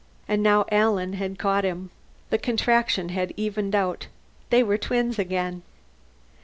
And now Alan had caught him. The Contraction had evened out. They were twins again.